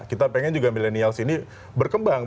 kita pengen juga millennials ini berkembang